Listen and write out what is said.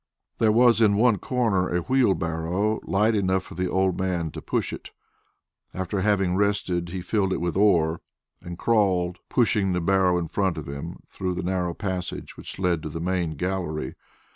There was in one corner a wheelbarrow light enough for the old man to push it. After having rested, he filled it with ore, and crawled, pushing the barrow in front of him, through the narrow passage which led to the main gallery.